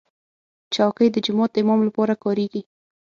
چوکۍ د جومات امام لپاره کارېږي.